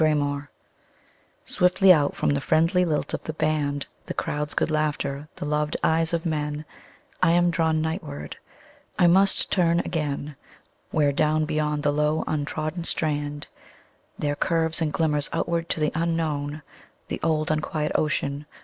Seaside SWIFTLY out from the friendly lilt of the band, The crowd's good laughter, the loved eyes of men,I am drawn nightward; I must turn againWhere, down beyond the low untrodden strand, There curves and glimmers outward to the unknownThe old unquiet ocean.